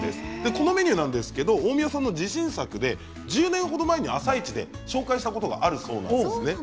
このメニューは大宮さんの自信作で１０年ほど前に「あさイチ」で紹介したこともあるそうです。